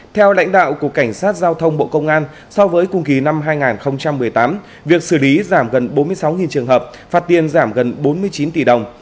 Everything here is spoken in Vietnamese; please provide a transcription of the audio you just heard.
theo lãnh đạo của cảnh sát giao thông bộ công an so với cùng kỳ năm hai nghìn một mươi tám việc xử lý giảm gần bốn mươi sáu trường hợp phạt tiền giảm gần bốn mươi chín tỷ đồng